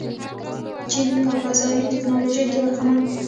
چین په فضايي تکنالوژۍ کې پرمختګ کوي.